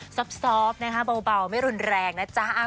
ซอบนะคะเบาไม่รุนแรงนะจ๊ะ